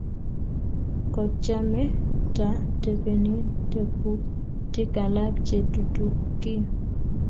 Kotchame ta tepenin teputik alak che tutukin